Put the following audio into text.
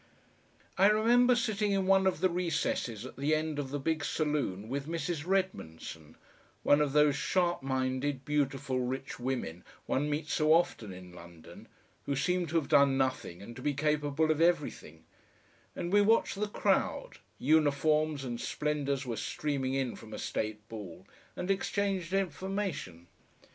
I remember sitting in one of the recesses at the end of the big saloon with Mrs. Redmondson, one of those sharp minded, beautiful rich women one meets so often in London, who seem to have done nothing and to be capable of everything, and we watched the crowd uniforms and splendours were streaming in from a State ball and exchanged information.